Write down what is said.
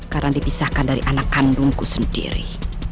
karena dipisahkan dari anak kandungku sendiri